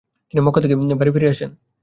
তিনি মক্কা থেকে বাড়ি ফিরে আসেন।